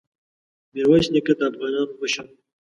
ميرويس نيکه د افغانانو مشر وو.